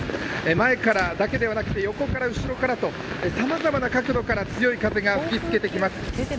前からだけではなくて、横から後ろからとさまざまな角度から強い風が吹きつけています。